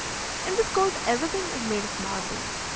In this court, everything is made of marble.